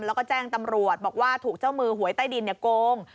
แล้วก็แจ้งตำรวจบอกว่าถูกเจ้ามือหวยใต้ดินโกง